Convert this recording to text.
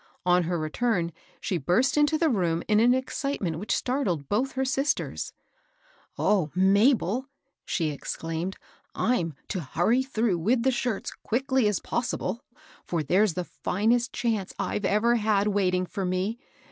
On her return, she burst into the room in an excitement which startled both her sisters. " O Mabel !" she exclaimed, " I'm to hurry through with the shirts quickly as possible, for there's the finest chance I've ever had waiting for me.